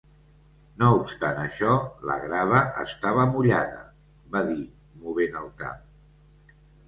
"No obstant això, la grava estava mullada", va dir, movent el cap.